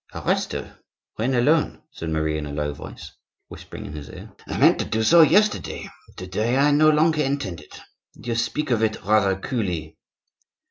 "Arrest her; reign alone," said Marie in a low voice, whispering in his ear. "I meant to do so yesterday; to day I no longer intend it. You speak of it rather coolly."